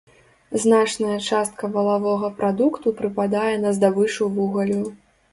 Значная частка валавога прадукту прыпадае на здабычу вугалю.